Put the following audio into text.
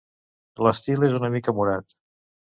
L'estil és una mica morat.